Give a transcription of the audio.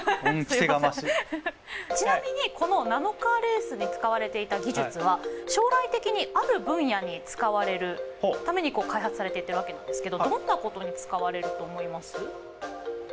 ちなみにこのナノカーレースに使われていた技術は将来的にある分野に使われるために開発されていってるわけなんですけどどんなことに使われると思います？